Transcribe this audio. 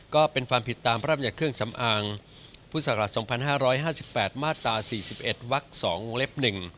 ก็เป็นความผิดตามพระราบญัติเครื่องสำอางพศ๒๕๕๘มาตร๔๑ว๒เล็บ๑